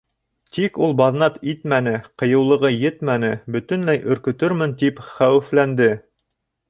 Тик ул баҙнат итмәне, ҡыйыулығы етмәне, бөтөнләй өркөтөрмөн, тип хәүефләнде.